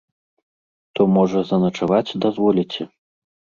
То, можа, заначаваць дазволіце?